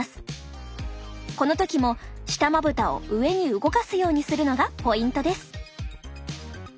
この時も下まぶたを上に動かすようにするのがポイントです。